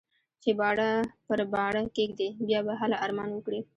چې باڼه پر باڼه کېږدې؛ بيا به هله ارمان وکړې.